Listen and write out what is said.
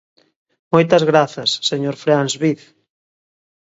Moitas grazas, señor Freáns Viz.